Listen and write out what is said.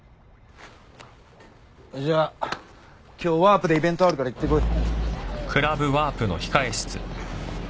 じゃあ今日ＷＡＡＡＲＰでイベントあるから行ってこい。